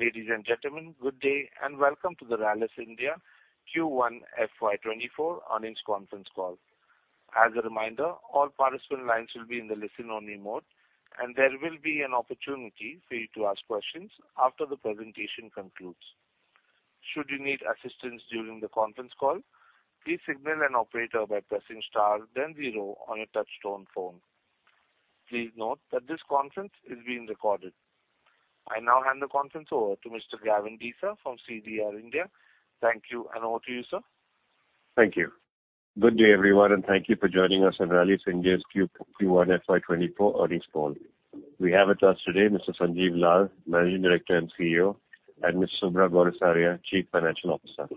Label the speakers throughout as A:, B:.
A: Ladies and gentlemen, good day, and welcome to the Rallis India Q1 FY 2024 earnings conference call. As a reminder, all participant lines will be in the listen-only mode, and there will be an opportunity for you to ask questions after the presentation concludes. Should you need assistance during the conference call, please signal an operator by pressing star then zero on your touchtone phone. Please note that this conference is being recorded. I now hand the conference over to Mr. Gavin Desa from CDR India. Thank you, and over to you, sir.
B: Thank you. Good day, everyone, thank you for joining us on Rallis India's Q1 FY 2024 earnings call. We have with us today Mr. Sanjiv Lal, Managing Director and CEO, and Ms. Subhra Gourisaria, Chief Financial Officer.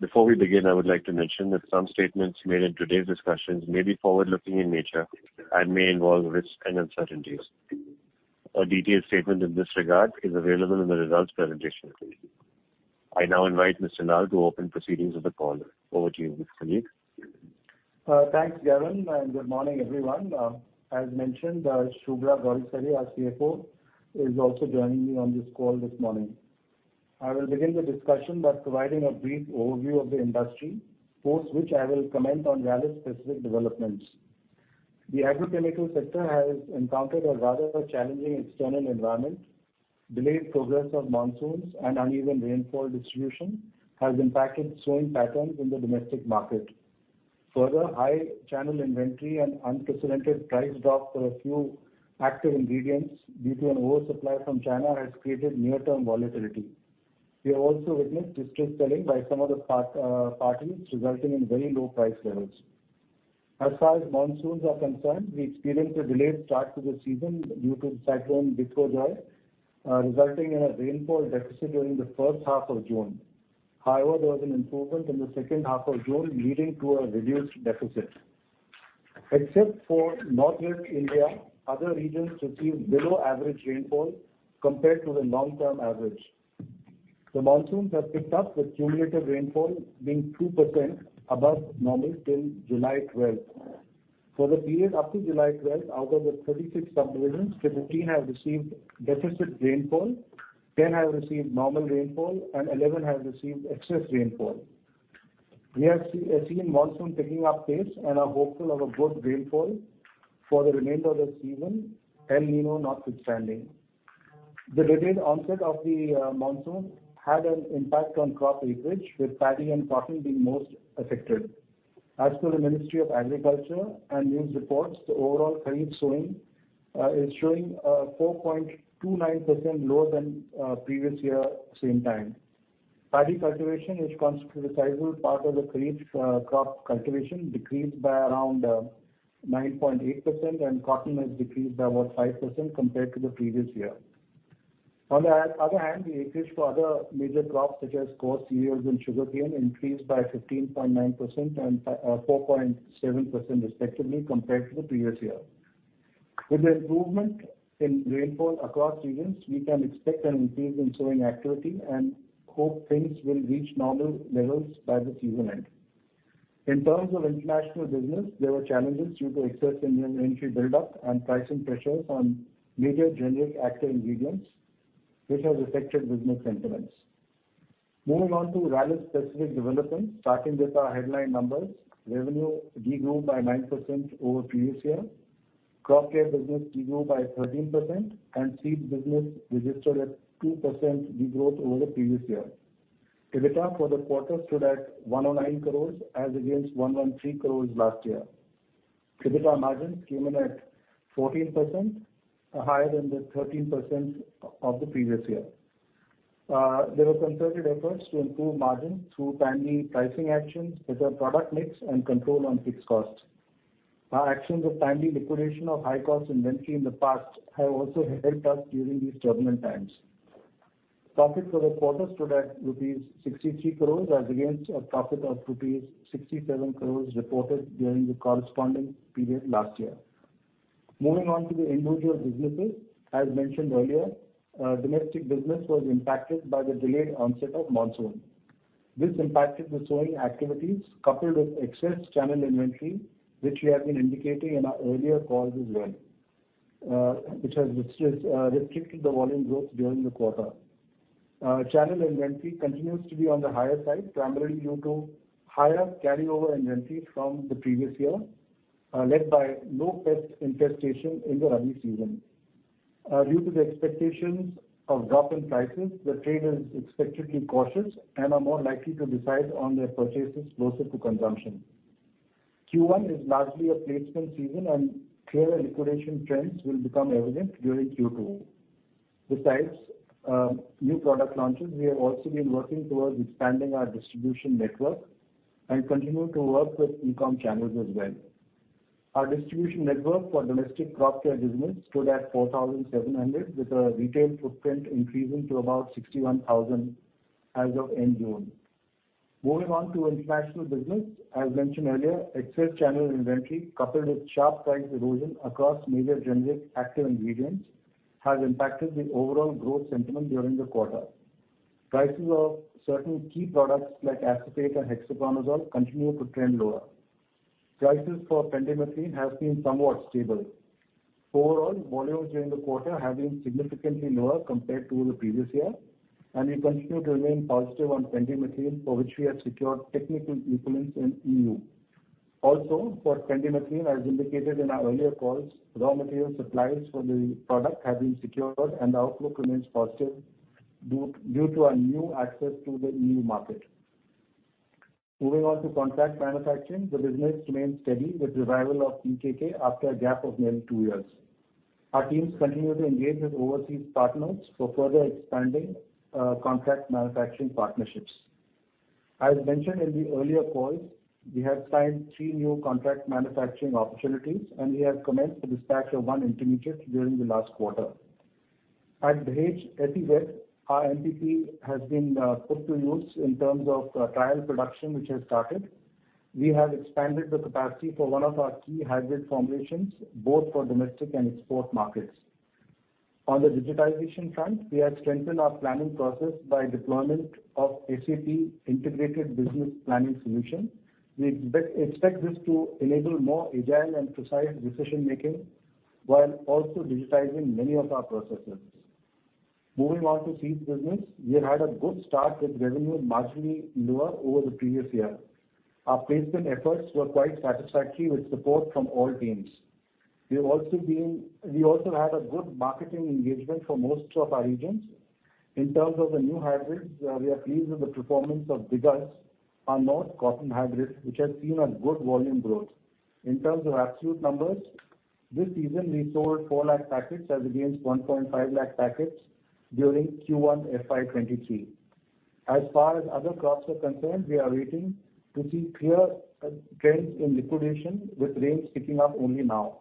B: Before we begin, I would like to mention that some statements made in today's discussions may be forward-looking in nature and may involve risks and uncertainties. A detailed statement in this regard is available in the results presentation. I now invite Mr. Lal to open proceedings of the call. Over to you, Mr. Sanjiv.
C: Thanks, Gavin, good morning, everyone. As mentioned, Subhra Gourisaria, our CFO, is also joining me on this call this morning. I will begin the discussion by providing a brief overview of the industry, post which I will comment on Ralli's specific developments. The agrochemical sector has encountered a rather challenging external environment. Delayed progress of monsoons uneven rainfall distribution has impacted sowing patterns in the domestic market. High channel inventory and unprecedented price drop for a few active ingredients due to an oversupply from China has created near-term volatility. We have also witnessed distress selling by some of the parties, resulting in very low price levels. As far as monsoons are concerned, we experienced a delayed start to the season due to cyclone Biparjoy, resulting in a rainfall deficit during the H1 of June. There was an improvement in the H2 of June, leading to a reduced deficit. Except for Northwest India, other regions received below average rainfall compared to the long-term average. The monsoons have picked up, with cumulative rainfall being 2% above normal till July 12th. For the period up to July 12th, out of the 36 sub-regions, 15 have received deficit rainfall, 10 have received normal rainfall, and 11 have received excess rainfall. We have seen monsoon picking up pace and are hopeful of a good rainfall for the remainder of the season, El Niño notwithstanding. The delayed onset of the monsoon had an impact on crop acreage, with paddy and cotton being most affected. As per the Ministry of Agriculture and news reports, the overall kharif sowing is showing 4.29% lower than previous year same time. Paddy cultivation, which constitutes a sizable part of the kharif crop cultivation, decreased by around 9.8%, and cotton has decreased by about 5% compared to the previous year. On the other hand, the acreage for other major crops, such as coarse cereals and sugarcane, increased by 15.9% and 4.7%, respectively, compared to the previous year. With the improvement in rainfall across regions, we can expect an increase in sowing activity and hope things will reach normal levels by the season end. In terms of international business, there were challenges due to excess inventory buildup and pricing pressures on major generic active ingredients, which has affected business sentiments. Moving on to Rallis' specific developments, starting with our headline numbers. Revenue de-grew by 9% over previous year. Crop Care business de-grew by 13%, and Seed business registered a 2% de-growth over the previous year. EBITDA for the quarter stood at 109 crores, as against 113 crores last year. EBITDA margins came in at 14%, higher than the 13% of the previous year. There were concerted efforts to improve margin through timely pricing actions, better product mix, and control on fixed costs. Our actions of timely liquidation of high-cost inventory in the past have also helped us during these turbulent times. Profit for the quarter stood at rupees 63 crores, as against a profit of rupees 67 crores reported during the corresponding period last year. Moving on to the individual businesses, as mentioned earlier, domestic business was impacted by the delayed onset of monsoon. This impacted the sowing activities, coupled with excess channel inventory, which we have been indicating in our earlier calls as well, which has restricted the volume growth during the quarter. Channel inventory continues to be on the higher side, primarily due to higher carryover inventories from the previous year, led by low pest infestation in the rainy season. Due to the expectations of drop in prices, the trade is expected to be cautious and are more likely to decide on their purchases closer to consumption. Q1 is largely a placement season, and clearer liquidation trends will become evident during Q2. Besides, new product launches, we have also been working towards expanding our distribution network and continue to work with e-com channels as well. Our distribution network for domestic crop care business stood at 4,700, with our retail footprint increasing to about 61,000 as of end June. Moving on to international business, as mentioned earlier, excess channel inventory, coupled with sharp price erosion across major generic active ingredients, has impacted the overall growth sentiment during the quarter. Prices of certain key products, like acetamiprid and hexaconazole, continue to trend lower.... Prices for pendimethalin has been somewhat stable. Overall, volumes during the quarter have been significantly lower compared to the previous year, and we continue to remain positive on pendimethalin, for which we have secured technical equivalence in EU. Also, for pendimethalin, as indicated in our earlier calls, raw material supplies for the product have been secured, and the outlook remains positive, due to our new access to the EU market. Moving on to contract manufacturing, the business remains steady with the revival of BKK after a gap of nearly two years. Our teams continue to engage with overseas partners for further expanding contract manufacturing partnerships. As mentioned in the earlier calls, we have signed three new contract manufacturing opportunities. We have commenced the dispatch of one intermediate during the last quarter. At Dahej SEZ, our MPP has been put to use in terms of trial production, which has started. We have expanded the capacity for one of our key hybrid formulations, both for domestic and export markets. On the digitization front, we have strengthened our planning process by deployment of SAP Integrated Business Planning solution. We expect this to enable more agile and precise decision making, while also digitizing many of our processes. Moving on to seeds business, we had a good start, with revenue marginally lower over the previous year. Our placement efforts were quite satisfactory, with support from all teams. We also had a good marketing engagement for most of our regions. In terms of the new hybrids, we are pleased with the performance of Bigus, our north cotton hybrid, which has seen a good volume growth. In terms of absolute numbers, this season we sold four lakh packets as against 1.5 lakh packets during Q1 FY 2023. As far as other crops are concerned, we are waiting to see clear trends in liquidation, with rains picking up only now.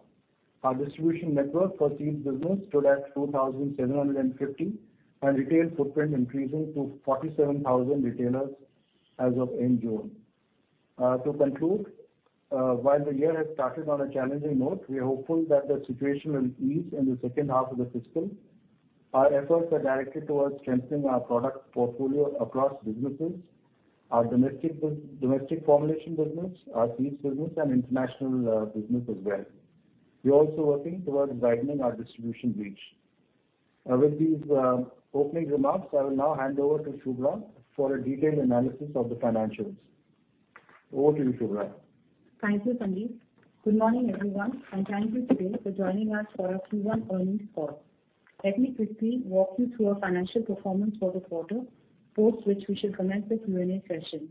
C: Our distribution network for seeds business stood at 2,750, and retail footprint increasing to 47,000 retailers as of end June. To conclude, while the year has started on a challenging note, we are hopeful that the situation will ease in the H2 of the fiscal. Our efforts are directed towards strengthening our product portfolio across businesses, our domestic formulation business, our seeds business, and international business as well. We are also working towards widening our distribution reach. With these opening remarks, I will now hand over to Subhra for a detailed analysis of the financials. Over to you, Subhra.
D: Thank you, Sanjiv. Good morning, everyone. Thank you today for joining us for our Q1 earnings call. Let me quickly walk you through our financial performance for the quarter, post which we shall commence the Q&A session.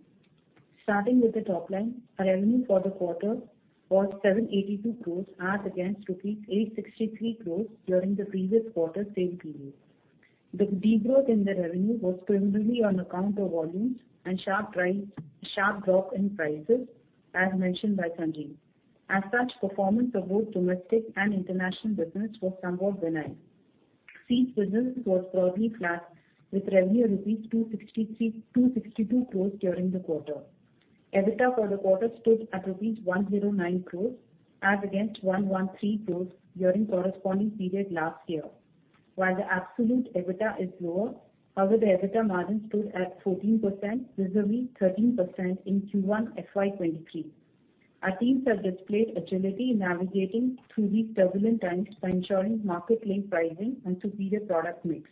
D: Starting with the top line, our revenue for the quarter was 782 crores, as against rupees 863 crores during the previous quarter same period. The degrowth in the revenue was primarily on account of volumes and sharp drop in prices, as mentioned by Sanjiv. Performance of both domestic and international business was somewhat benign. Seeds business was broadly flat, with revenue rupees 262 crores during the quarter. EBITDA for the quarter stood at rupees 109 crores, as against 113 crores during corresponding period last year. While the absolute EBITDA is lower, however, the EBITDA margin stood at 14%, vis-a-vis 13% in Q1 FY 2023. Our teams have displayed agility in navigating through these turbulent times by ensuring market-linked pricing and superior product mix.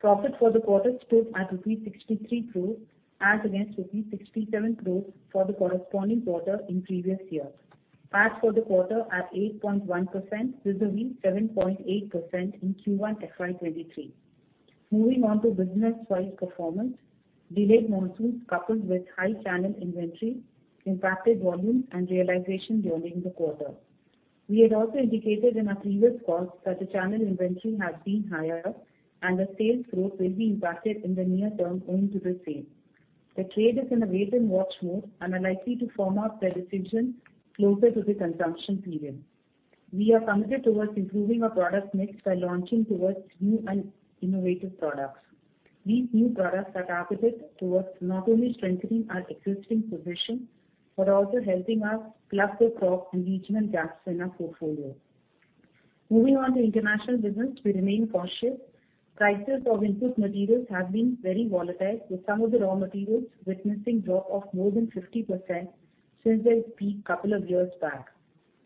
D: Profit for the quarter stood at 63 crores, as against 67 crores for the corresponding quarter in previous year. PAT for the quarter at 8.1%, vis-a-vis 7.8% in Q1 FY 2023. Moving on to business-wide performance, delayed monsoons, coupled with high channel inventory, impacted volumes and realization during the quarter. We had also indicated in our previous calls that the channel inventory has been higher, and the sales growth will be impacted in the near term owing to the same. The trade is in a wait and watch mode, and are likely to form out their decision closer to the consumption period. We are committed towards improving our product mix by launching towards new and innovative products. These new products are targeted towards not only strengthening our existing position, but also helping us plug the crop and regional gaps in our portfolio. Moving on to international business, we remain cautious. Prices of input materials have been very volatile, with some of the raw materials witnessing drop of more than 50% since their peak 2 years back.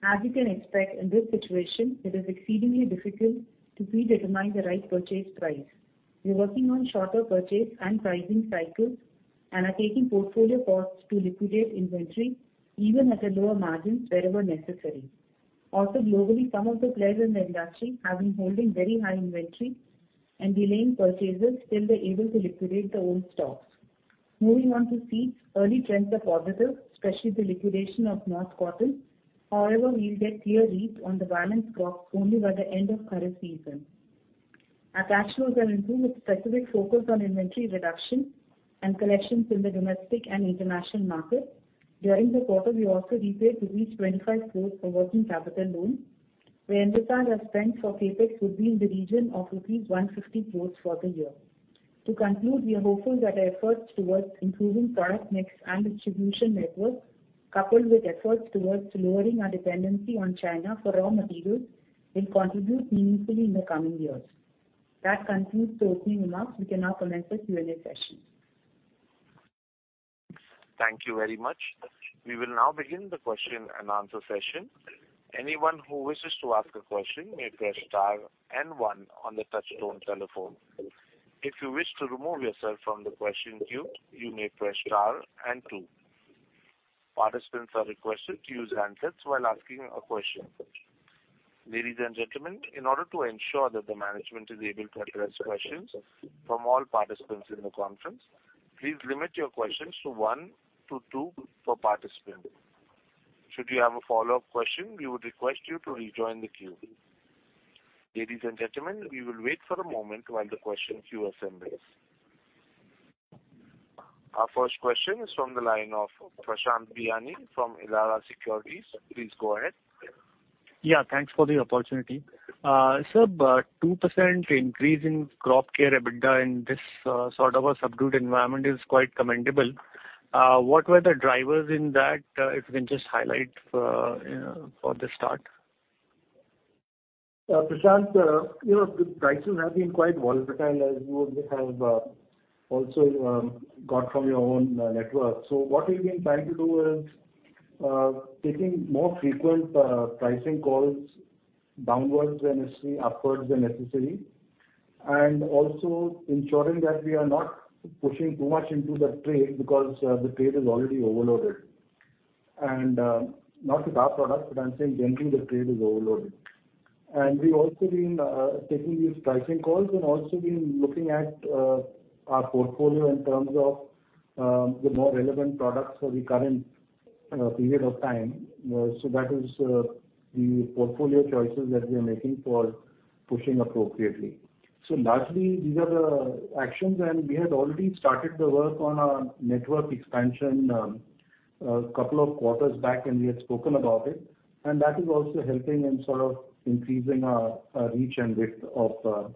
D: As you can expect, in this situation, it is exceedingly difficult to predetermine the right purchase price. We are working on shorter purchase and pricing cycles, and are taking portfolio ports to liquidate inventory, even at lower margins, wherever necessary. Globally, some of the players in the industry have been holding very high inventory and delaying purchases till they're able to liquidate the old stocks. Moving on to seeds, early trends are positive, especially the liquidation of north cotton. We'll get clear read on the balance crops only by the end of current season. Our cash flows are improved, with specific focus on inventory reduction and collections in the domestic and international markets. During the quarter, we also repaid 25 crores for working capital loan, where we understand our spend for CapEx would be in the region of INR 150 crores for the year. To conclude, we are hopeful that our efforts towards improving product mix and distribution network, coupled with efforts towards lowering our dependency on China for raw materials, will contribute meaningfully in the coming years....That concludes the opening remarks. We can now commence the Q&A session.
A: Thank you very much. We will now begin the question and answer session. Anyone who wishes to ask a question may press star and 1 on the touchtone telephone. If you wish to remove yourself from the question queue, you may press star and 2. Participants are requested to use handsets while asking a question. Ladies and gentlemen, in order to ensure that the management is able to address questions from all participants in the conference, please limit your questions to 1 to 2 per participant. Should you have a follow-up question, we would request you to rejoin the queue. Ladies and gentlemen, we will wait for a moment while the question queue assembles. Our first question is from the line of Prashant Biyani from Elara Securities. Please go ahead.
E: Thanks for the opportunity. Sir, 2% increase in Crop Care EBITDA in this sort of a subdued environment is quite commendable. What were the drivers in that, if you can just highlight, you know, for the start?
C: Prashant, you know, the prices have been quite volatile, as you would have also got from your own network. What we've been trying to do is taking more frequent pricing calls downwards when necessary, upwards when necessary, and also ensuring that we are not pushing too much into the trade because the trade is already overloaded. Not with our product, but I'm saying generally, the trade is overloaded. We've also been taking these pricing calls and also been looking at our portfolio in terms of the more relevant products for the current period of time. That is the portfolio choices that we are making for pushing appropriately. largely, these are the actions, and we had already started the work on our network expansion, two quarters back, and we had spoken about it, and that is also helping and sort of increasing our reach and width of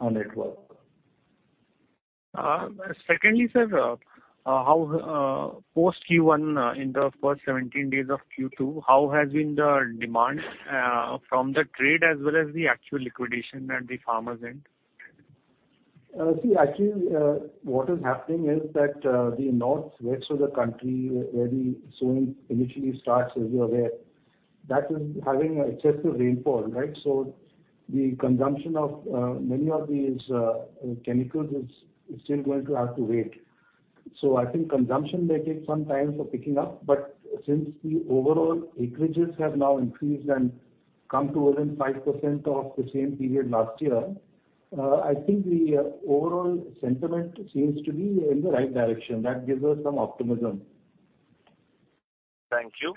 C: our network.
E: Secondly, sir, post Q1, in the first 17 days of Q2, how has been the demand from the trade as well as the actual liquidation at the farmers end?
C: See, actually, what is happening is that the northwest of the country, where the sowing initially starts, as you're aware, that is having excessive rainfall, right? The consumption of many of these chemicals is still going to have to wait. I think consumption may take some time for picking up, but since the overall acreages have now increased and come to more than 5% of the same period last year, I think the overall sentiment seems to be in the right direction. That gives us some optimism.
A: Thank you.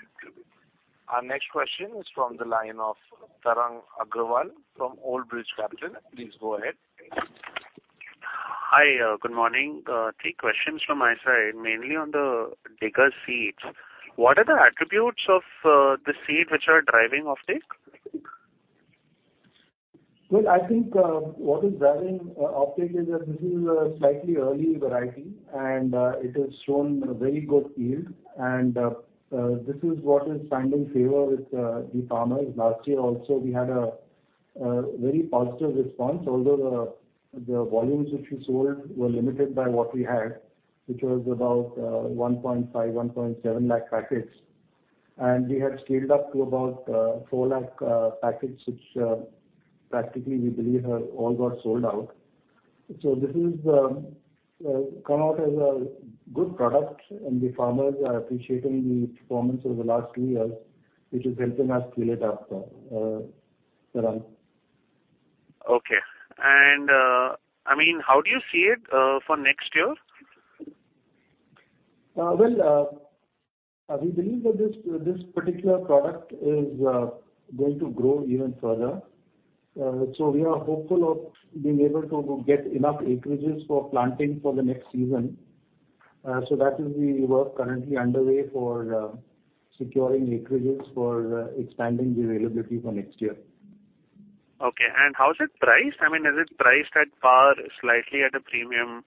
A: Our next question is from the line of Tarang Agrawal from Old Bridge Capital. Please go ahead.
F: Hi, good morning. Three questions from my side, mainly on the Bigus seeds. What are the attributes of, the seed which are driving offtake?
C: Well, I think, what is driving offtake is that this is a slightly early variety, and it has shown a very good yield. This is what is finding favor with the farmers. Last year also, we had a very positive response, although the volumes which we sold were limited by what we had, which was about 1.5, 1.7 lakh packets. We had scaled up to about 4 lakh packets, which practically we believe have all got sold out. This is come out as a good product, and the farmers are appreciating the performance over the last two years, which is helping us scale it up, Tarang.
F: Okay. I mean, how do you see it for next year?
C: Well, we believe that this particular product is going to grow even further. We are hopeful of being able to get enough acreages for planting for the next season. That will be work currently underway for securing acreages for expanding the availability for next year.
F: Okay. How is it priced? I mean, is it priced at par, slightly at a premium?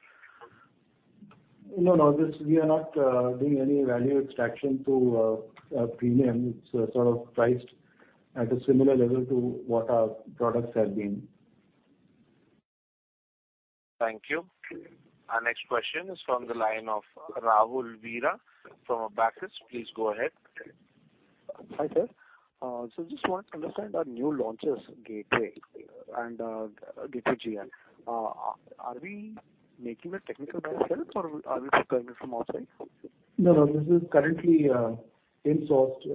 C: No, no, this, we are not doing any value extraction to a premium. It's sort of priced at a similar level to what our products have been.
A: Thank you. Our next question is from the line of Rahul Veera from Abakkus. Please go ahead.
G: Hi, sir. Just want to understand our new launches, Gateway and Gateway GR. Are we making the technical by ourselves, or are we procuring it from outside?
C: No, no, this is currently, insourced.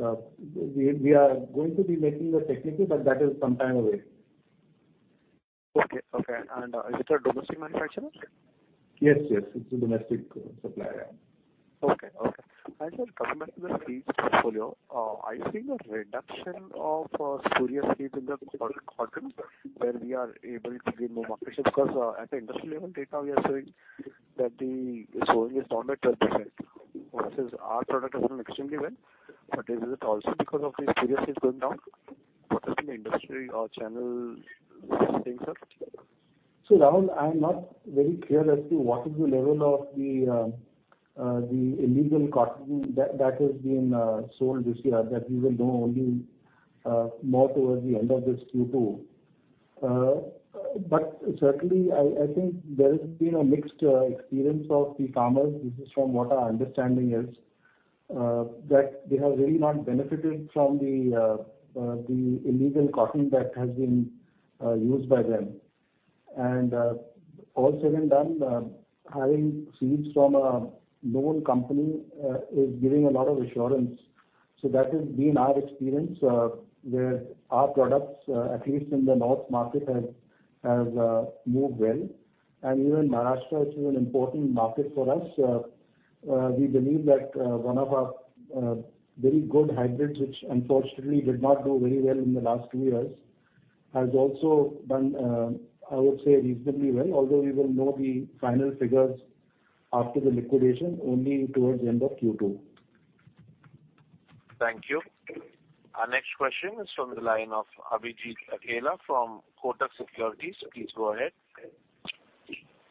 C: We are going to be making the technical, but that is some time away.
G: Okay, okay. Is it a domestic manufacturer?
C: Yes, yes, it's a domestic supplier.
G: Okay, okay. Coming back to the seeds portfolio, are you seeing a reduction of spurious seeds in the cotton, where we are able to gain more market share? At the industry level data, we are showing that the sowing is down by 12%. versus our product has done extremely well, is it also because of the spurious seeds going down? What is the industry or channel saying, sir?
C: Rahul, I'm not very clear as to what is the level of the illegal cotton that has been sown this year, that we will know only more towards the end of this Q2. Certainly, I think there has been a mixed experience of the farmers. This is from what our understanding is, that they have really not benefited from the illegal cotton that has been used by them. All said and done, having seeds from a known company is giving a lot of assurance. That has been our experience, where our products, at least in the north market, has moved well. Even Maharashtra is an important market for us. We believe that one of our very good hybrids, which unfortunately did not do very well in the last two years, has also done, I would say reasonably well, although we will know the final figures after the liquidation only towards the end of Q2.
A: Thank you. Our next question is from the line of Abhijit Akella from Kotak Securities. Please go ahead.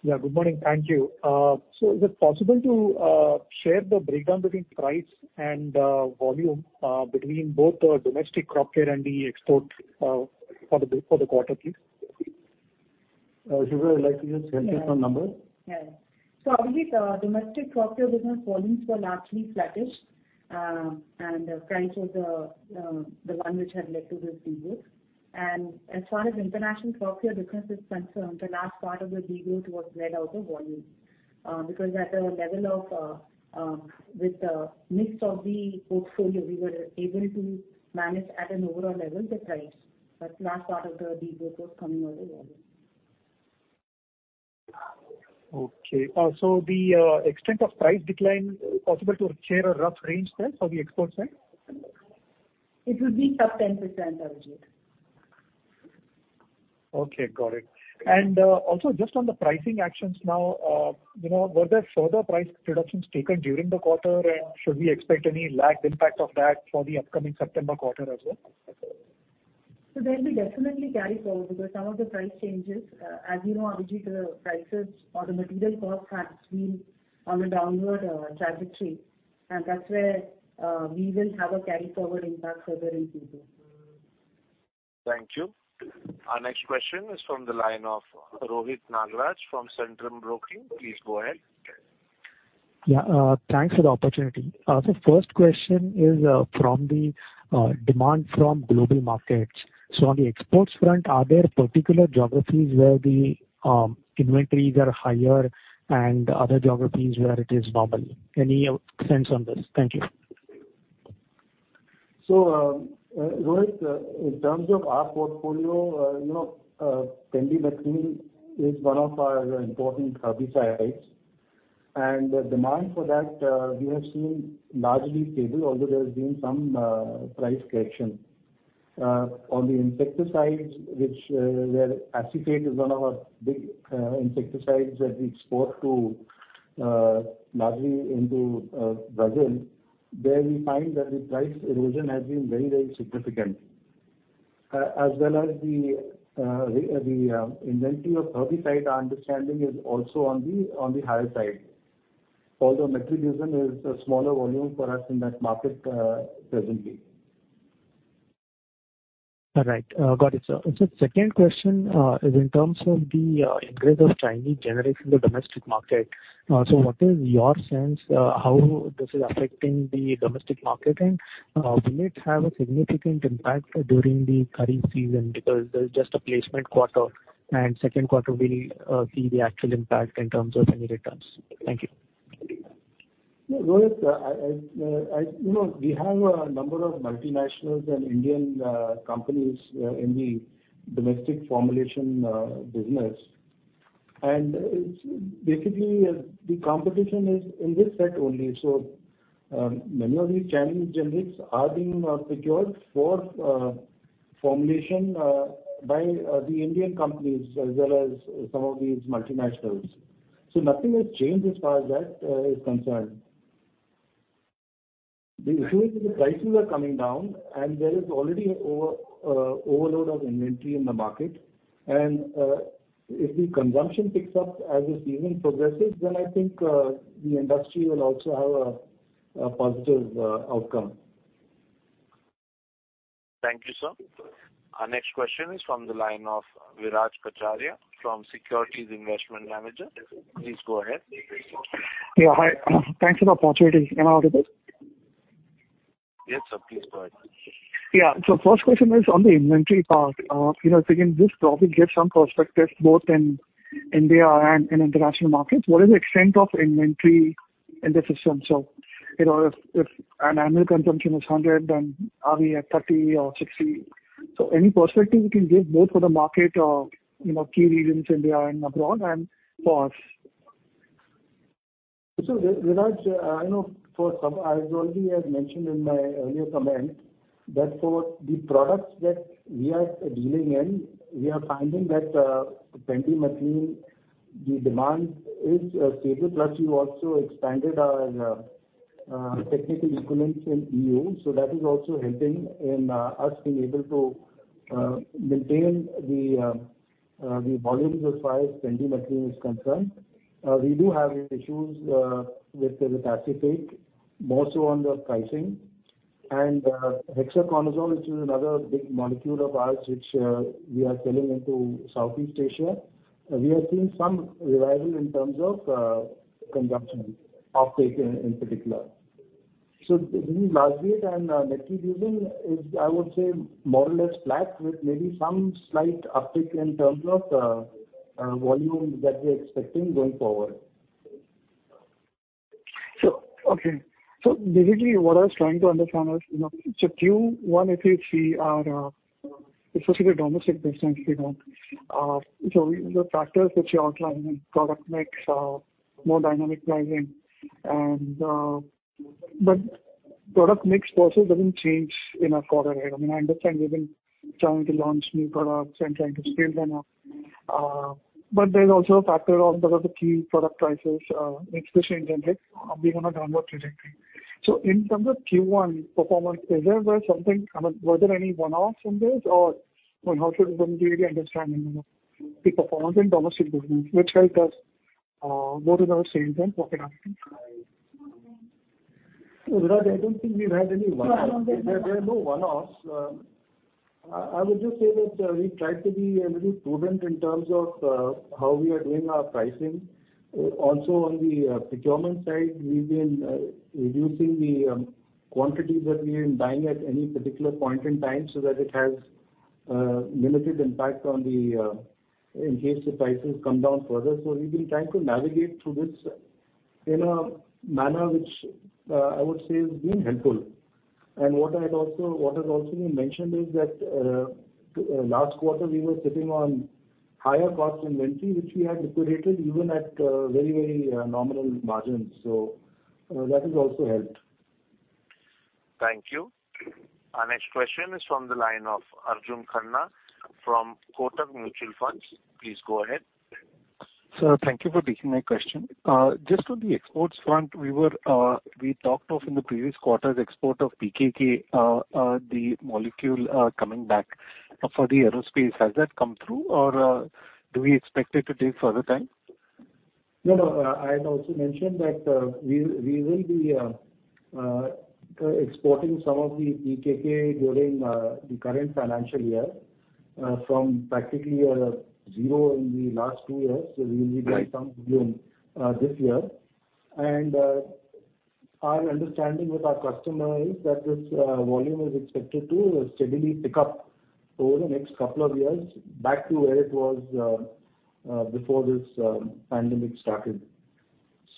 H: Yeah, good morning. Thank you. Is it possible to share the breakdown between price and volume between both the domestic crop care and the export for the quarter, please?
C: Shival, would you like to just help me with some numbers?
D: Yes. Abhijit, domestic crop care business volumes were largely flattish. Price was the one which had led to this degrowth. As far as international crop care business is concerned, the last part of the degrowth was led out of volume. At a level of, with the mix of the portfolio, we were able to manage at an overall level, the price. Last part of the degrowth was coming out of volume.
H: Okay. The extent of price decline, possible to share a rough range there for the export side?
D: It will be sub-10%, Abhijit.
H: Okay, got it. Also just on the pricing actions now, you know, were there further price reductions taken during the quarter? Should we expect any lagged impact of that for the upcoming September quarter as well?
D: There will be definitely carry forward, because some of the price changes, as you know, Abhijit, the prices or the material cost has been on a downward trajectory, and that's where, we will have a carry forward impact further into this.
A: Thank you. Our next question is from the line of Rohit Nagraj from Centrum Broking. Please go ahead.
I: Yeah, thanks for the opportunity. First question is from the demand from global markets. On the exports front, are there particular geographies where the inventories are higher and other geographies where it is normal? Any sense on this? Thank you.
C: Rohit, in terms of our portfolio, pendimethalin is one of our important herbicide items, and the demand for that, we have seen largely stable, although there has been some price correction. On the insecticides, which, where acephate is one of our big insecticides that we export to, largely into Brazil, there we find that the price erosion has been very, very significant. As well as the inventory of herbicide, our understanding is also on the higher side, although metribuzin is a smaller volume for us in that market, presently.
I: All right, got it, sir. Second question is in terms of the increase of Chinese generics the domestic market. What is your sense, how this is affecting the domestic market? Will it have a significant impact during the current season? Because there's just a placement quarter, second quarter we'll see the actual impact in terms of any returns. Thank you.
C: Yeah, Rohit, you know, we have a number of multinationals and Indian companies in the domestic formulation business. It's basically, the competition is in this set only. Many of these Chinese generics are being secured for formulation by the Indian companies, as well as some of these multinationals. Nothing has changed as far as that is concerned. The issue is the prices are coming down, and there is already overload of inventory in the market. If the consumption picks up as the season progresses, then I think the industry will also have a positive outcome.
A: Thank you, sir. Our next question is from the line of Viraj Kacharia from Securities Investment Manager. Please go ahead.
J: Yeah, hi. Thanks for the opportunity. Am I audible?
A: Yes, sir. Please go ahead.
J: Yeah. First question is on the inventory part. you know, again, this probably gives some perspective both in India and in international markets. What is the extent of inventory in the system? you know, if an annual consumption is 100, then are we at 30 or 60? any perspective you can give both for the market or, you know, key regions, India and abroad, and for us.
C: Viraj, I know for some, as I already have mentioned in my earlier comment, that for the products that we are dealing in, we are finding that pendimethalin, the demand is stable. We've also expanded our technical equivalence in EU, so that is also helping in us being able to maintain the volumes as far as pendimethalin is concerned. We do have issues with the paclitaxel, more so on the pricing. Hexaconazole, which is another big molecule of ours, which we are selling into Southeast Asia, we have seen some revival in terms of consumption, uptake in particular. Largely it and methidiazol is, I would say, more or less flat, with maybe some slight uptick in terms of volume that we're expecting going forward.
J: Okay, so basically, what I was trying to understand is, you know, so Q1, if we see our, especially the domestic business, you know, so the factors which you outlined in product mix are more dynamic pricing and, but product mix also doesn't change in a quarter. I mean, I understand you've been trying to launch new products and trying to scale them up. There's also a factor of the other key product prices, mix change and be on a downward trajectory. In terms of Q1 performance, is there something? I mean, was there any one-offs in this, or how should one really understand, you know, the performance in domestic business, which helped us go to the sales and what can happen?
C: Viraj, I don't think we've had any one-offs.
J: No.
C: There are no one-offs. I would just say that we tried to be very prudent in terms of how we are doing our pricing. Also on the procurement side, we've been reducing the quantities that we've been buying at any particular point in time, so that it has limited impact on the in case the prices come down further. We've been trying to navigate through this in a manner which I would say has been helpful. What has also been mentioned is that last quarter, we were sitting on higher cost inventory, which we had liquidated even at very, very nominal margins. That has also helped.
A: Thank you. Our next question is from the line of Arjun Khanna from Kotak Mutual Funds. Please go ahead.
K: Sir, thank you for taking my question. Just on the exports front, we talked of in the previous quarter, the export of PEKK, the molecule, coming back for the aerospace. Has that come through, or, do we expect it to take further time?
C: No, no, I had also mentioned that, we will be exporting some of the PEKK during the current financial year, from practically 0 in the last 2 years.
K: Right.
C: We will be doing some volume this year. Our understanding with our customer is that this volume is expected to steadily pick up over the next couple of years, back to where it was before this pandemic started.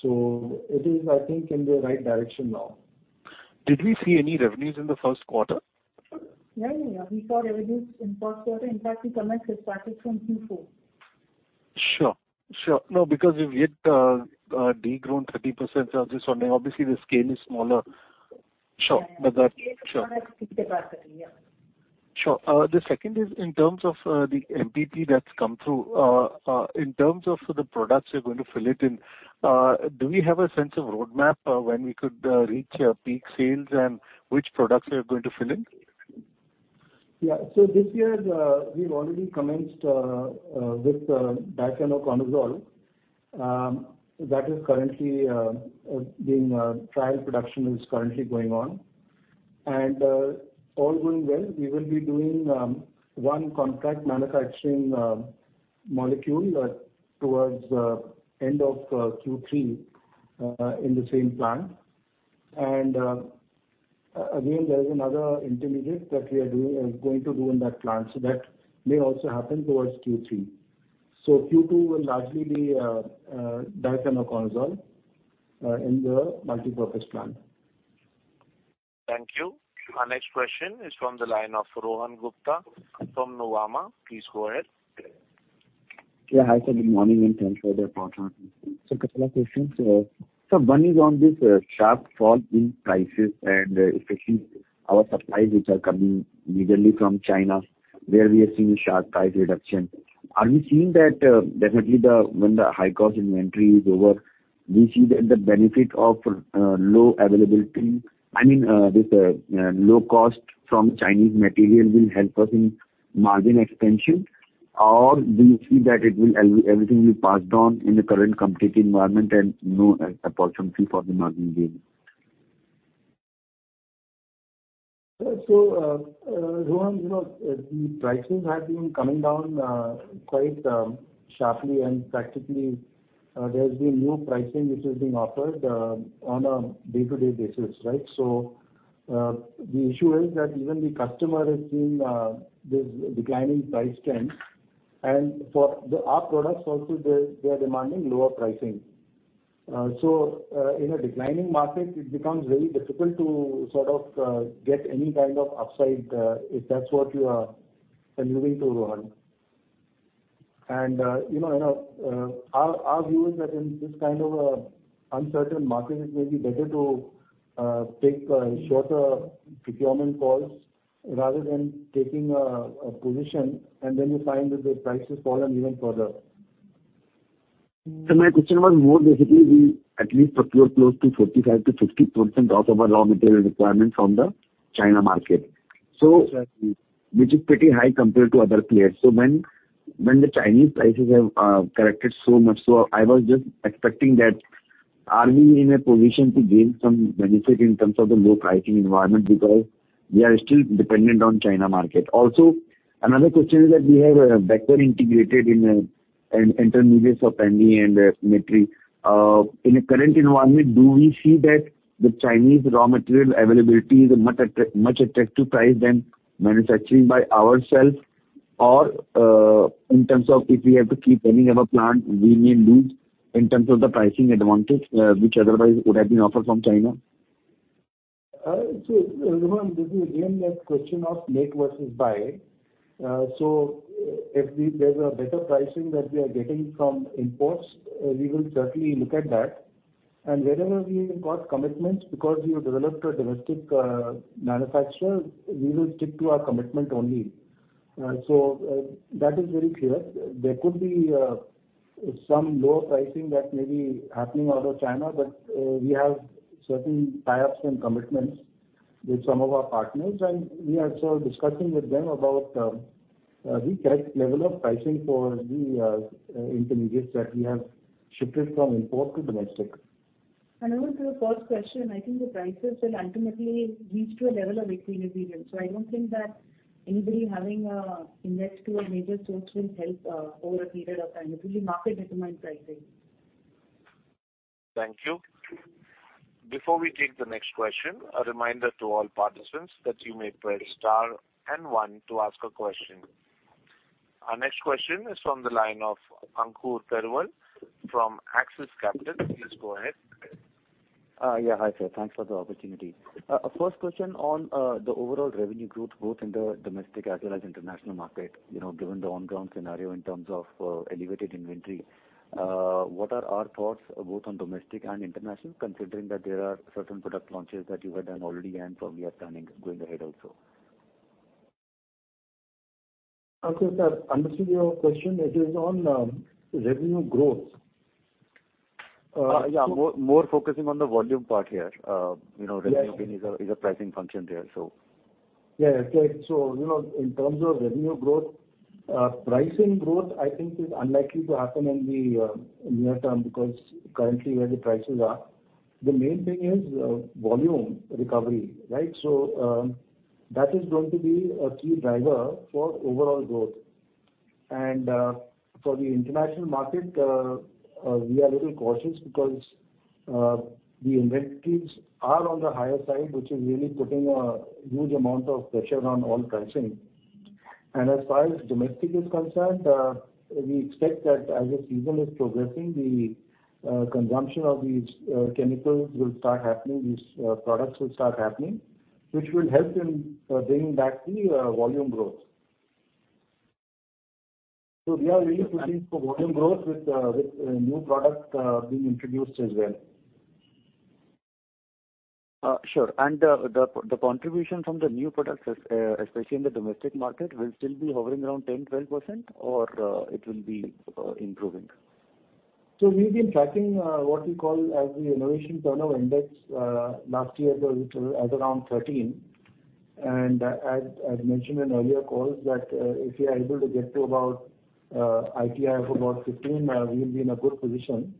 C: It is, I think, in the right direction now.
K: Did we see any revenues in the first quarter?
D: No, no, we saw revenues in first quarter. In fact, we commenced this quarter from Q4.
K: Sure. Sure. No, because we've yet de-grown 30% sales this quarter, obviously, the scale is smaller. Sure.
D: Yeah.
K: Sure.
D: Yeah.
K: Sure. The second is in terms of the MPP that's come through. In terms of the products you're going to fill it in, do we have a sense of roadmap of when we could reach peak sales and which products we are going to fill in?
C: This year, we've already commenced with difenoconazole. Trial production is currently going on. All going well, we will be doing one contract manufacturing molecule towards end of Q3 in the same plant. Again, there is another intermediate that we are going to do in that plant. That may also happen towards Q3. Q2 will largely be difenoconazole in the Multi-Purpose Plant.
A: Thank you. Our next question is from the line of Rohan Gupta from Nuvama. Please go ahead.
L: Yeah, hi, sir, good morning and thanks for the opportunity. A couple of questions. One is on this, sharp fall in prices and, especially our supplies, which are coming majorly from China, where we are seeing a sharp price reduction. Are we seeing that, definitely the, when the high-cost inventory is over, we see that the benefit of, low availability, I mean, this, low cost from Chinese material will help us in margin expansion? Do you see that it will, everything will be passed on in the current competitive environment and no opportunity for the margin gain?
C: Rohan, you know, the prices have been coming down quite sharply, and practically, there's been new pricing which is being offered on a day-to-day basis, right? The issue is that even the customer is seeing this declining price trend, and for our products also, they are demanding lower pricing. In a declining market, it becomes very difficult to sort of get any kind of upside, if that's what you are alluding to, Rohan. You know, our view is that in this kind of uncertain market, it may be better to take shorter procurement calls rather than taking a position, and then you find that the prices fallen even further.
L: My question was more basically, we at least procure close to 45%-50% of our raw material requirements from the China market.
C: Exactly.
L: Which is pretty high compared to other players. When the Chinese prices have corrected so much, I was just expecting that, are we in a position to gain some benefit in terms of the low pricing environment? Because we are still dependent on China market. Also, another question is that we have better integrated in intermediates of Pendi and Metri. In the current environment, do we see that the Chinese raw material availability is a much attractive price than manufacturing by ourself? In terms of if we have to keep running our plant, we may lose in terms of the pricing advantage, which otherwise would have been offered from China.
C: Rohan, this is again that question of make versus buy. If there's a better pricing that we are getting from imports, we will certainly look at that. Wherever we've got commitments, because we have developed a domestic manufacturer, we will stick to our commitment only. That is very clear. There could be some lower pricing that may be happening out of China, but we have certain tie-ups and commitments with some of our partners, and we are also discussing with them about the correct level of pricing for the intermediates that we have shifted from import to domestic.
D: Also, the first question, I think the prices will ultimately reach to a level of equilibrium. I don't think that anybody having a invest to a major source will help, over a period of time. It will be market-determined pricing.
A: Thank you. Before we take the next question, a reminder to all participants that you may press star and one to ask a question. Our next question is from the line of Ankur Periwal from Axis Capital. Please go ahead.
M: Yeah, hi, sir. Thanks for the opportunity. First question on the overall revenue growth, both in the domestic as well as international market. You know, given the on-ground scenario in terms of elevated inventory, what are our thoughts both on domestic and international, considering that there are certain product launches that you have done already and probably are planning going ahead also?
C: Okay, sir, I understand your question. It is on revenue growth.
M: Yeah, more focusing on the volume part here.
C: Yes.
M: Revenue is a pricing function there, so.
C: Yeah. You know, in terms of revenue growth, pricing growth, I think, is unlikely to happen in the near term because currently where the prices are, the main thing is volume recovery, right? That is going to be a key driver for overall growth. For the international market, we are a little cautious because the inventories are on the higher side, which is really putting a huge amount of pressure on all pricing. As far as domestic is concerned, we expect that as the season is progressing, the consumption of these chemicals will start happening, these products will start happening, which will help in bringing back the volume growth. We are really looking for volume growth with new products being introduced as well.
M: Sure. The contribution from the new products, especially in the domestic market, will still be hovering around 10%-12%, or it will be improving?
C: We've been tracking what we call as the innovation turnover index. Last year it was at around 13. As mentioned in earlier calls, that if we are able to get to about ITI of about 15, we will be in a good position.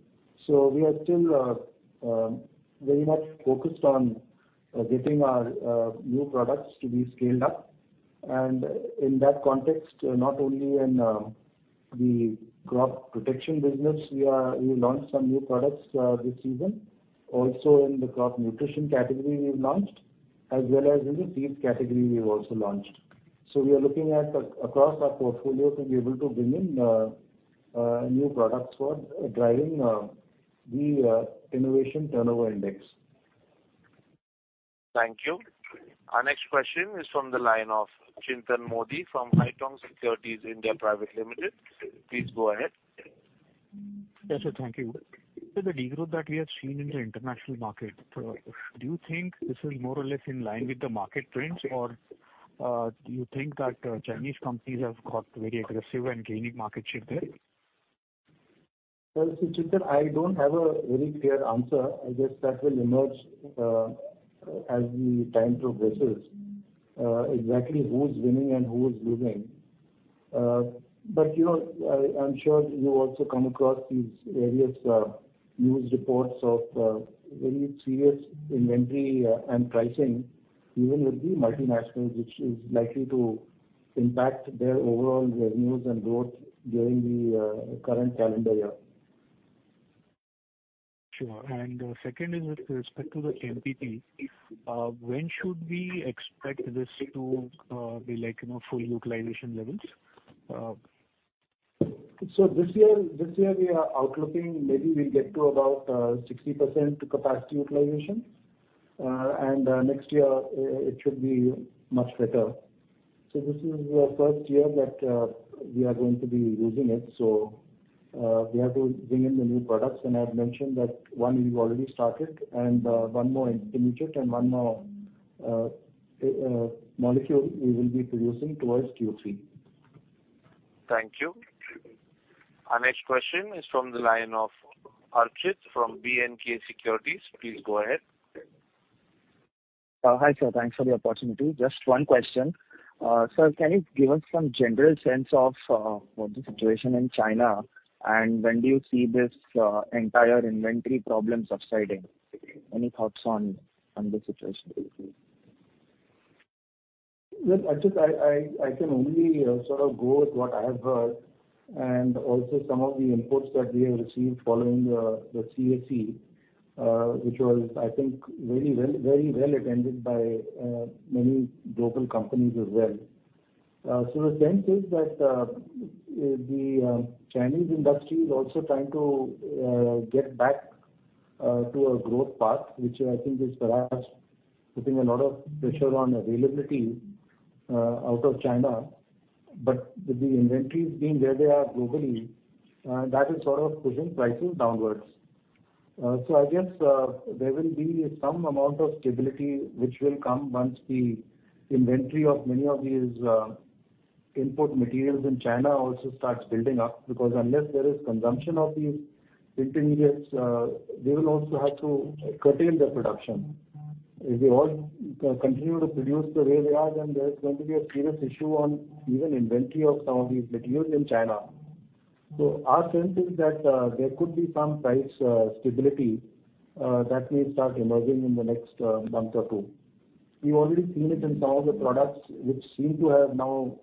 C: We are still very much focused on getting our new products to be scaled up. In that context, not only in the crop protection business, we launched some new products this season. Also, in the crop nutrition category, we've launched, as well as in the seeds category, we've also launched. We are looking across our portfolio to be able to bring in new products for driving the innovation turnover index.
A: Thank you. Our next question is from the line of Chintan Modi from Haitong Securities India Private Limited. Please go ahead.
N: Yes, sir. Thank you. The degrowth that we have seen in the international market, do you think this is more or less in line with the market trends, or do you think that Chinese companies have got very aggressive in gaining market share there?
C: Well, see, Chintan, I don't have a very clear answer. I guess that will emerge as the time progresses, exactly who is winning and who is losing. You know, I'm sure you also come across these various news reports of very serious inventory and pricing, even with the multinationals, which is likely to impact their overall revenues and growth during the current calendar year.
N: Sure. Second is with respect to the MPP. When should we expect this to be like, you know, full utilization levels?
C: This year we are outlooking, maybe we'll get to about 60% capacity utilization. Next year, it should be much better. This is the first year that we are going to be using it, so we have to bring in the new products. I've mentioned that one we've already started, and one more intermediate and a molecule we will be producing towards Q3.
A: Thank you. Our next question is from the line of Archit from B&K Securities. Please go ahead.
O: Hi, sir. Thanks for the opportunity. Just one question. Sir, can you give us some general sense of what the situation in China, and when do you see this entire inventory problem subsiding? Any thoughts on the situation?
C: Well, Archit, I can only sort of go with what I have heard and also some of the inputs that we have received following the CAC, which was, I think, very well attended by many global companies as well. The sense is that the Chinese industry is also trying to get back to a growth path, which I think is perhaps putting a lot of pressure on availability out of China. With the inventories being where they are globally, that is sort of pushing prices downwards. I guess there will be some amount of stability which will come once the inventory of many of these input materials in China also starts building up. Unless there is consumption of these intermediates, they will also have to curtail their production. If they all continue to produce the way they are, then there is going to be a serious issue on even inventory of some of these materials in China. Our sense is that there could be some price stability that may start emerging in the next month or two. We've already seen it in some of the products which seem to have now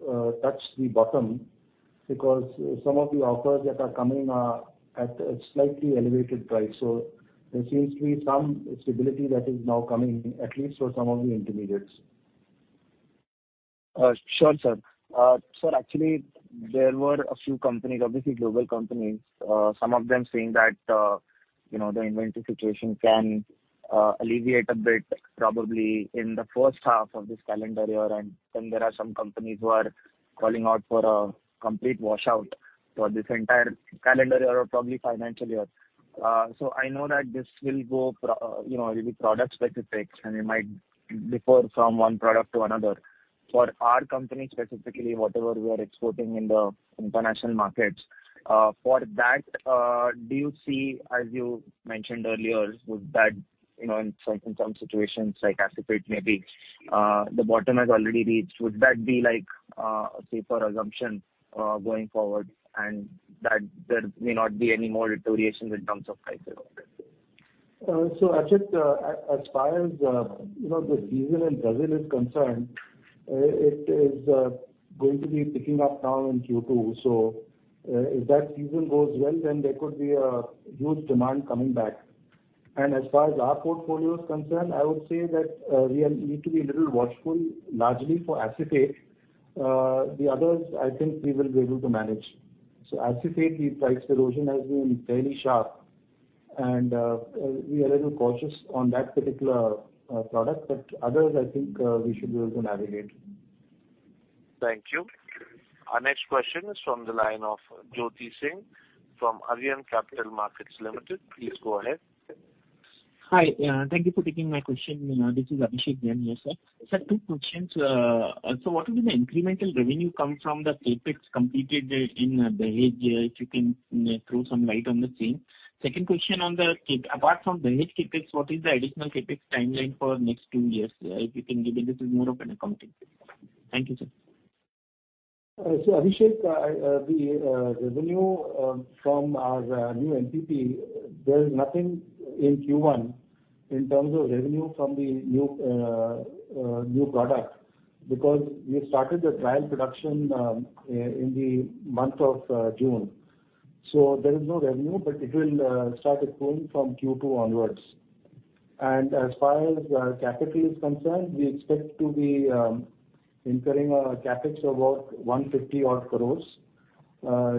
C: touched the bottom, because some of the offers that are coming are at a slightly elevated price. There seems to be some stability that is now coming in, at least for some of the intermediates.
O: Sure, sir. Actually, there were a few companies, obviously, global companies, some of them saying that, you know, the inventory situation can alleviate a bit, probably in the H1 of this calendar year. There are some companies who are calling out for a complete washout for this entire calendar year or probably financial year. I know that this will go, you know, it will be product specific, and it might differ from one product to another. For our company, specifically, whatever we are exporting in the international markets, for that, do you see, as you mentioned earlier, would that, you know, in some situations, like acephate maybe, the bottom has already reached. Would that be like, a safer assumption, going forward, and that there may not be any more deterioration in terms of prices?
C: Archit, as far as, you know, the season in Brazil is concerned, it is going to be picking up now in Q2. If that season goes well, then there could be a huge demand coming back. As far as our portfolio is concerned, I would say that we are need to be a little watchful, largely for acetate. The others, I think we will be able to manage. Acetate, the price erosion has been fairly sharp, and we are a little cautious on that particular product. Others, I think, we should be able to navigate.
A: Thank you. Our next question is from the line of Jyoti Singh from Arihant Capital Markets Limited. Please go ahead.
P: Hi, thank you for taking my question. This is Abhishek here, sir. Sir, two questions. What will be the incremental revenue come from the CapEx completed in Dahej? If you can throw some light on the same. Second question on the CapEx apart from Dahej CapEx, what is the additional CapEx timeline for next two years? If you can give it, this is more of an accounting question. Thank you, sir.
C: Abhishek, the revenue from our new NPP, there is nothing in Q1 in terms of revenue from the new product, because we started the trial production in the month of June. There is no revenue, but it will start accruing from Q2 onwards. As far as capital is concerned, we expect to be incurring a CapEx of about 150 odd crores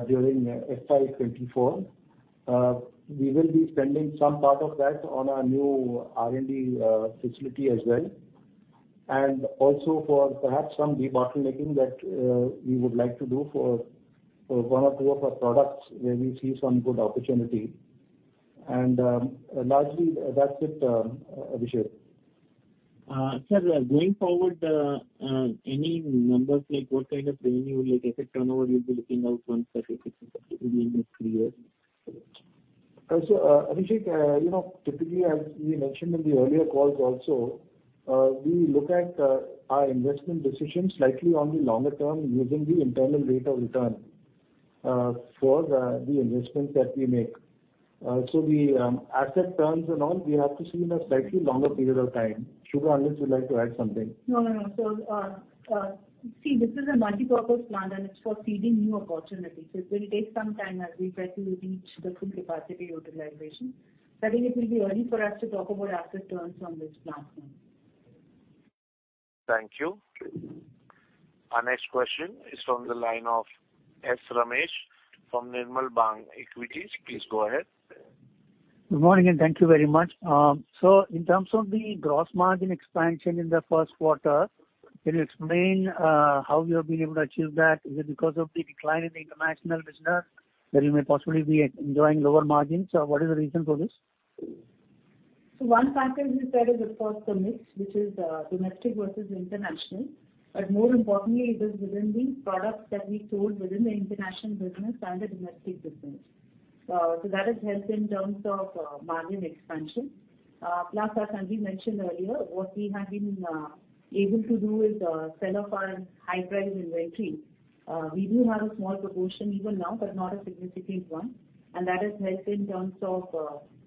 C: during FY 2024. We will be spending some part of that on our new R&D facility as well, and also for perhaps some debottlenecking that we would like to do for one or two of our products, where we see some good opportunity. Largely, that's it, Abhishek.
P: Sir, going forward, any numbers, like what kind of revenue, like, asset turnover you'll be looking out for in the next three years?
C: Abhishek, you know, typically, as we mentioned in the earlier calls also, we look at our investment decisions slightly on the longer term, using the internal rate of return, for the investments that we make. The asset terms and all, we have to see in a slightly longer period of time. Shubha, unless you'd like to add something?
D: No, no. See, this is a multipurpose plant, and it's for seeding new opportunities. It will take some time as we try to reach the full capacity utilization. I think it will be early for us to talk about asset terms on this plant now.
A: Thank you. Our next question is from the line of S Ramesh from Nirmal Bang Equities. Please go ahead.
Q: Good morning. Thank you very much. In terms of the gross margin expansion in the first quarter. Can you explain how you have been able to achieve that? Is it because of the decline in the international business, that you may possibly be enjoying lower margins, or what is the reason for this? One factor you said is, of course, the mix, which is domestic versus international. More importantly, it is within the products that we sold within the international business and the domestic business. That has helped in terms of margin expansion. Plus, as Sanjiv mentioned earlier, what we have been able to do is sell off our high-priced inventory. We do have a small proportion even now, but not a significant one, and that has helped in terms of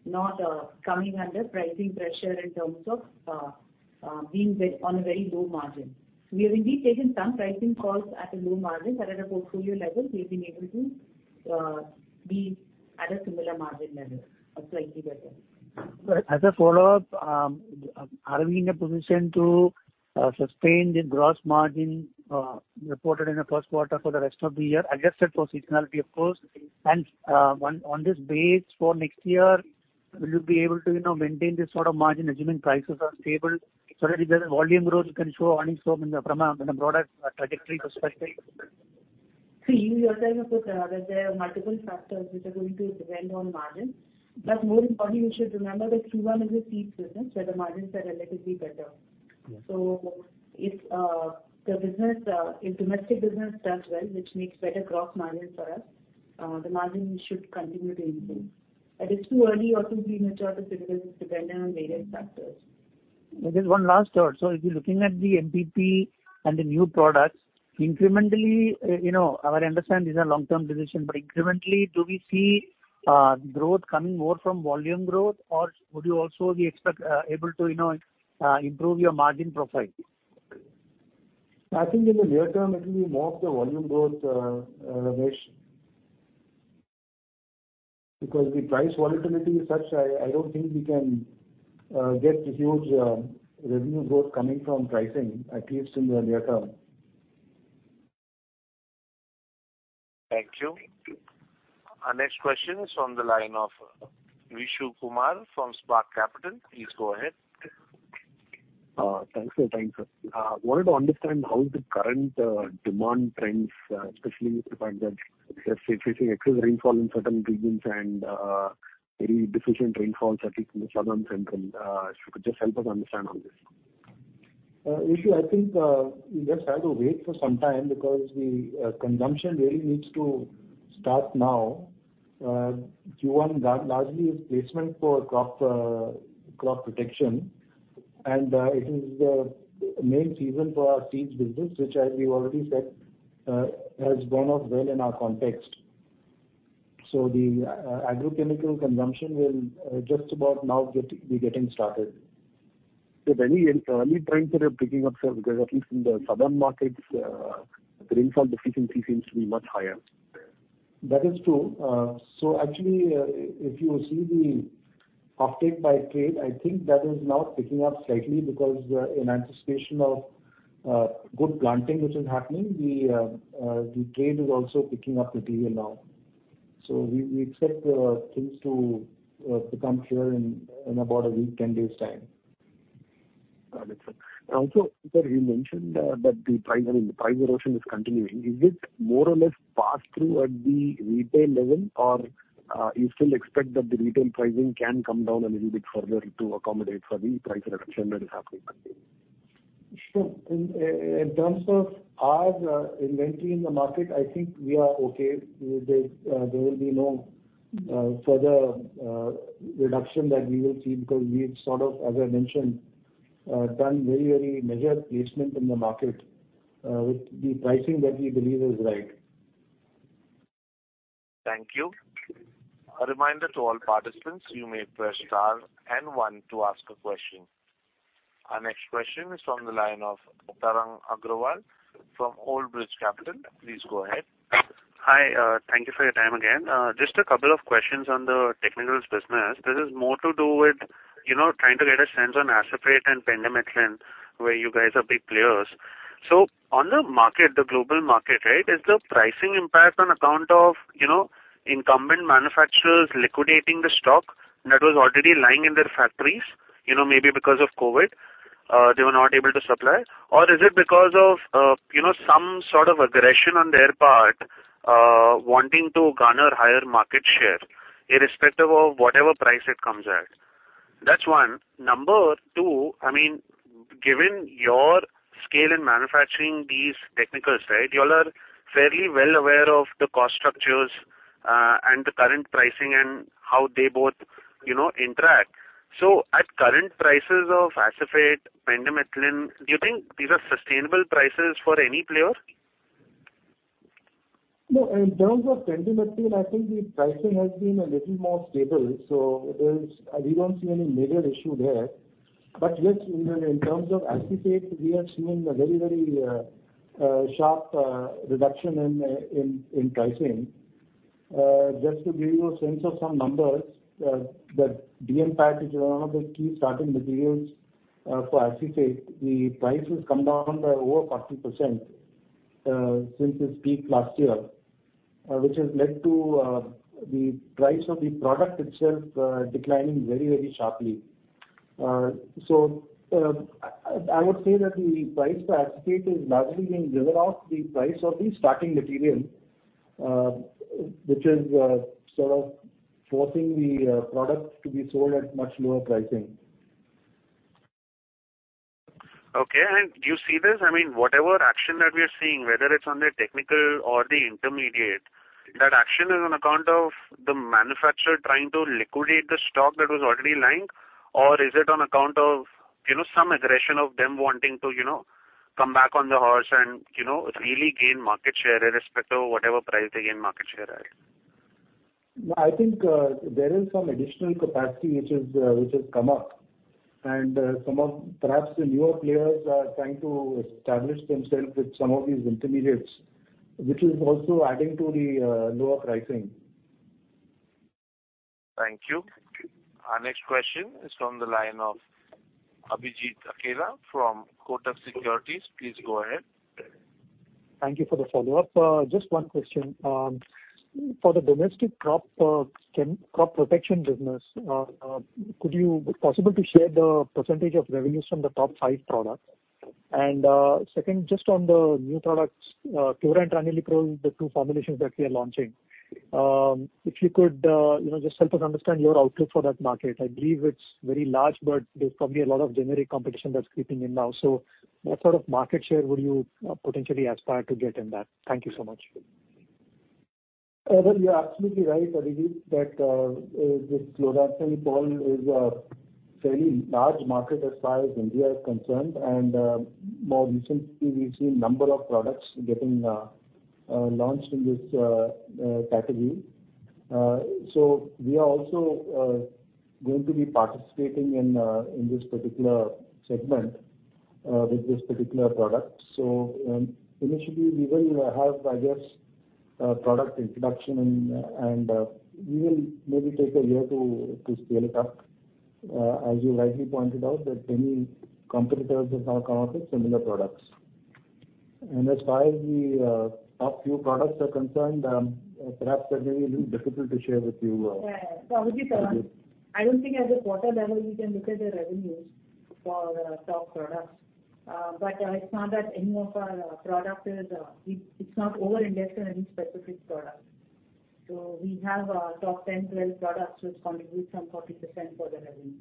Q: not coming under pricing pressure in terms of being on a very low margin. We have indeed taken some pricing calls at a low margin, but at a portfolio level, we've been able to be at a similar margin level or slightly better. Right. As a follow-up, are we in a position to sustain the gross margin reported in the first quarter for the rest of the year, adjusted for seasonality, of course? On this base for next year, will you be able to, you know, maintain this sort of margin, assuming prices are stable, so that the volume growth can show earnings from a product trajectory perspective? See, you yourself have said that there are multiple factors which are going to depend on margin. More importantly, you should remember that Q1 is a seed business, where the margins are relatively better. Yeah. If domestic business does well, which makes better gross margin for us, the margin should continue to improve. It's too early or too premature to say, this is dependent on various factors. Just one last thought. If you're looking at the MPP and the new products, incrementally, you know, our understanding is a long-term decision, but incrementally, do we see, growth coming more from volume growth, or would you also be able to, you know, improve your margin profile?
C: I think in the near term, it will be more of the volume growth, Ramesh, because the price volatility is such, I don't think we can get huge revenue growth coming from pricing, at least in the near term.
A: Thank you. Our next question is on the line of Vishnu Kumar from Spark Capital. Please go ahead.
R: Thanks, sir. Thanks, sir. Wanted to understand how the current demand trends, especially with the fact that we are facing excess rainfall in certain regions and very deficient rainfalls, at least in the southern, central. If you could just help us understand on this.
C: Vishu, I think, we just have to wait for some time because the consumption really needs to start now. Q1 largely is placement for crop protection, and it is the main season for our seeds business, which, as we already said, has done off well in our context. The agrochemical consumption will just about now be getting started.
R: Very in early trends that are picking up, sir, because at least in the southern markets, the rainfall deficiency seems to be much higher.
C: That is true. Actually, if you see the offtake by trade, I think that is now picking up slightly because, in anticipation of, good planting, which is happening, the trade is also picking up material now. We expect things to become clear in about a week, 10 days' time.
R: Got it, sir. Also, sir, you mentioned that the price, I mean, the price erosion is continuing. Is it more or less passed through at the retail level, or, you still expect that the retail pricing can come down a little bit further to accommodate for the price reduction that is happening currently?
C: Sure. In terms of our inventory in the market, I think we are okay. There will be no further reduction that we will see, because we've sort of, as I mentioned, done very, very measured placement in the market, with the pricing that we believe is right.
A: Thank you. A reminder to all participants, you may press star and one to ask a question. Our next question is from the line of Tarang Agrawal from Old Bridge Capital. Please go ahead.
F: Hi, thank you for your time again. Just a couple of questions on the technical business. This is more to do with, you know, trying to get a sense on acephate and pendimethalin, where you guys are big players. On the market, the global market, right, is the pricing impact on account of, you know, incumbent manufacturers liquidating the stock that was already lying in their factories? You know, maybe because of COVID, they were not able to supply. Or is it because of, you know, some sort of aggression on their part, wanting to garner higher market share, irrespective of whatever price it comes at? That's one. Number two, I mean, given your scale in manufacturing these technicals, right, you all are fairly well aware of the cost structures, and the current pricing and how they both, you know, interact. At current prices of acephate, pendimethalin, do you think these are sustainable prices for any player?
C: In terms of pendimethalin, I think the pricing has been a little more stable. We don't see any major issue there. Yes, in terms of acephate, we are seeing a very sharp reduction in pricing. Just to give you a sense of some numbers, that DMPAT, which is one of the key starting materials for acephate, the price has come down by over 40% since its peak last year. Which has led to the price of the product itself declining very sharply. I would say that the price for acephate is largely being driven off the price of the starting material, which is sort of forcing the product to be sold at much lower pricing.
F: Okay. Do you see this? I mean, whatever action that we are seeing, whether it's on the technical or the intermediate, that action is on account of the manufacturer trying to liquidate the stock that was already lying, or is it on account of, you know, some aggression of them wanting to, you know, come back on the horse and, you know, really gain market share, irrespective of whatever price they gain market share at?
C: No, I think there is some additional capacity which is which has come up, and some of perhaps the newer players are trying to establish themselves with some of these intermediates, which is also adding to the lower pricing.
A: Thank you. Our next question is from the line of Abhijit Akella from Kotak Securities. Please go ahead.
H: Thank you for the follow-up. Just one question. For the domestic crop protection business, possible to share the % of revenues from the top five products? Second, just on the new products, pura and Chlorantraniliprole, the two formulations that we are launching, if you could, you know, just help us understand your outlook for that market. I believe it's very large, but there's probably a lot of generic competition that's creeping in now. What sort of market share would you potentially aspire to get in that? Thank you so much.
C: Well, you're absolutely right, Abhijit, that this Fludioxanil is a fairly large market as far as India is concerned, and more recently, we've seen number of products getting launched in this category. We are also going to be participating in this particular segment with this particular product. Initially, we will have, I guess, product introduction and we will maybe take a year to scale it up, as you rightly pointed out, that many competitors have now come out with similar products. As far as the top few products are concerned, perhaps that may be a little difficult to share with you.
D: Yeah. Abhijit, I don't think at the quarter level, we can look at the revenues for the top products. it's not that any of our products is not overindexed in any specific product. we have our top 10, 12 products, which contribute some 40% for the revenue.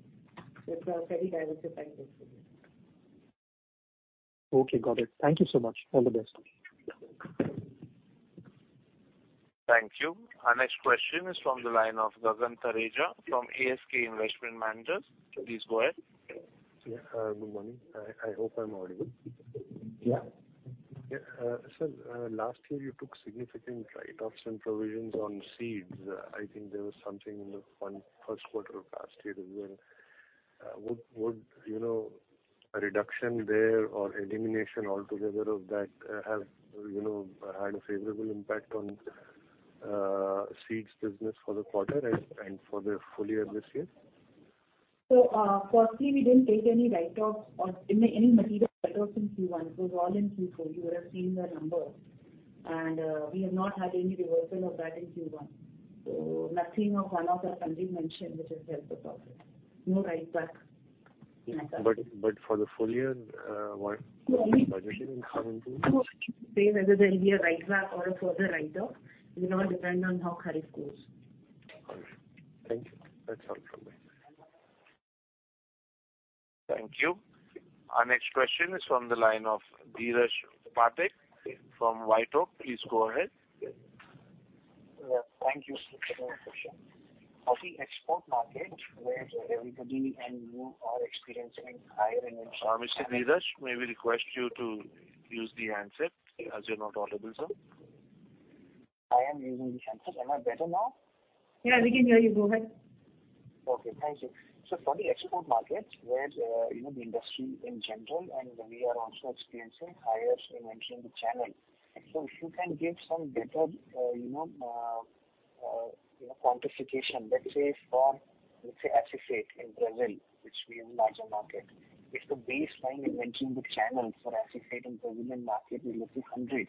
D: it's a very diversified portfolio.
H: Okay, got it. Thank you so much. All the best.
A: Thank you. Our next question is from the line of Gagan Thareja from ASK Investment Managers. Please go ahead.
S: Yeah. good morning. I hope I'm audible.
C: Yeah.
S: Last year you took significant write-offs and provisions on seeds. I think there was something in the first quarter of last year as well. Would you know a reduction there or elimination altogether of that, have, you know, had a favorable impact on seeds business for the quarter and for the full year this year?
D: Firstly, we didn't take any write-offs or any material write-offs in Q1. It was all in Q4. You would have seen the numbers, and we have not had any reversal of that in Q1. Nothing of one-off that Sanjay mentioned, which has helped us out. No write back.
S: For the full year.
D: So we-
S: in coming to?
D: Whether there'll be a write back or a further write-off, it will all depend on how kharif goes.
S: All right. Thank you. That's all from me.
A: Thank you. Our next question is from the line of Dheeresh Pathak from White Oak. Please go ahead.
T: Yeah. Thank you. For the question. Of the export market, where everybody and you are experiencing higher invention-
A: Mr. Dheeresh, may we request you to use the handset, as you're not audible, sir.
T: I am using the handset. Am I better now?
D: Yeah, we can hear you. Go ahead.
T: Okay. Thank you. For the export markets, where, you know, the industry in general and we are also experiencing higher inventory in the channel. If you can give some better, you know, quantification, let's say, for, let's say, acephate in Brazil, which we have a larger market. If the baseline inventory, the channel for acephate in Brazilian market, we look at 100,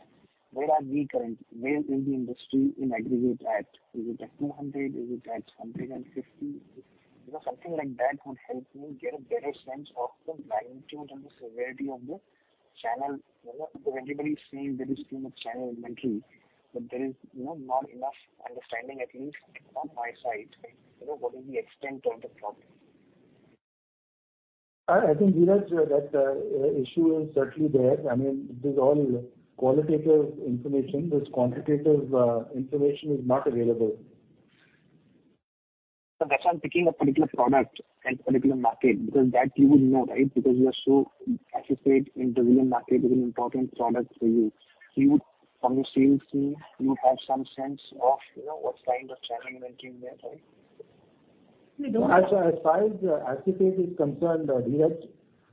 T: where are we, where is the industry in aggregate at? Is it at 200? Is it at 150? You know, something like that would help me get a better sense of the magnitude and the severity of the channel. You know, everybody is saying there is too much channel inventory, but there is, you know, not enough understanding, at least on my side, you know, what is the extent of the problem?
C: I think, Dheeresh, that issue is certainly there. I mean, it is all qualitative information. This quantitative information is not available.
T: That's why I'm picking a particular product and particular market, because that you would know, right? Because you are so acephate in Brazilian market is an important product for you. You would, from your sales team, you would have some sense of, you know, what kind of channel invention there, right?
D: We don't-
C: As far as acephate is concerned, Dheeraj,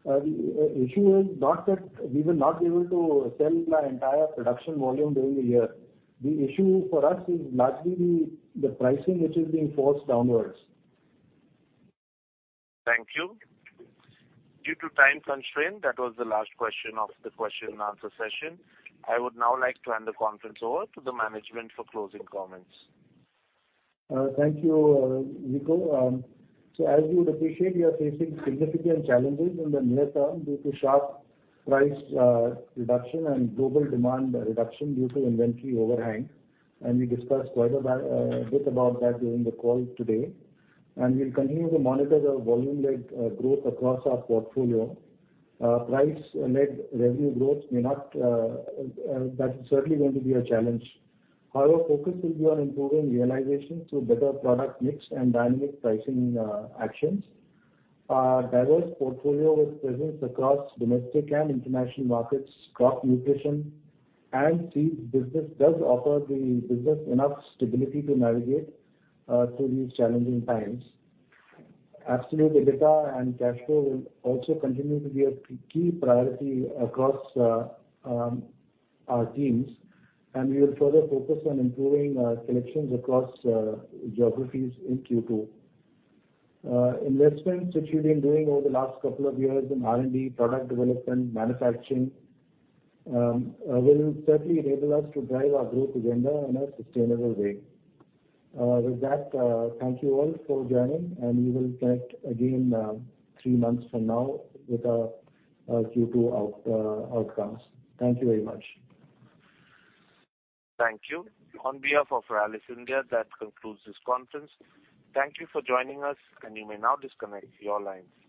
C: the issue is not that we will not be able to sell our entire production volume during the year. The issue for us is largely the pricing, which is being forced downwards.
A: Thank you. Due to time constraint, that was the last question of the question and answer session. I would now like to hand the conference over to the management for closing comments.
C: Thank you, Nico. As you would appreciate, we are facing significant challenges in the near term due to sharp price reduction and global demand reduction due to inventory overhang, and we discussed quite a bit about that during the call today. We'll continue to monitor the volume led growth across our portfolio. Price led revenue growth may not, that's certainly going to be a challenge. Our focus will be on improving realization through better product mix and dynamic pricing actions. Our diverse portfolio with presence across domestic and international markets, crop nutrition and seeds business does offer the business enough stability to navigate through these challenging times. Absolute EBITDA and cash flow will also continue to be a key priority across our teams, and we will further focus on improving collections across geographies in Q2. Investments, which we've been doing over the last couple of years in R&D, product development, manufacturing, will certainly enable us to drive our growth agenda in a sustainable way. With that, thank you all for joining, and we will connect again three months from now with our Q2 outcomes. Thank you very much.
A: Thank you. On behalf of Rallis India, that concludes this conference. Thank you for joining us, and you may now disconnect your lines.